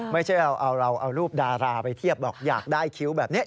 ไม่ใช่เราเอารูปดาราไปเทียบหรอกอยากได้คิ้วแบบนี้